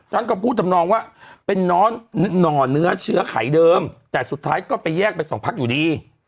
ท่านก็พูดทำนองว่าเป็นหน่อเนื้อเชื้อไขเดิมแต่สุดท้ายก็ไปแยกไปสองพักอยู่ดี